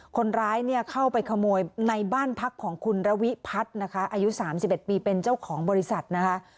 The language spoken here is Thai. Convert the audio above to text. คนร้ายเนี่ยเข้าไปขโมยในบ้านพักของคุณระวิพัฒน์นะคะอายุ๓๑ปีเป็นเจ้าของบริษัทนะคะ